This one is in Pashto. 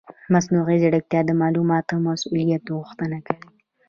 مصنوعي ځیرکتیا د معلوماتي مسؤلیت غوښتنه کوي.